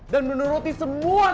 dan menuruti semua